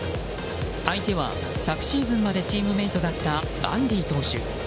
相手は昨シーズンまでチームメートだったバンディ投手。